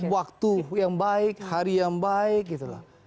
waktu yang baik hari yang baik gitu loh